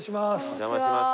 お邪魔します。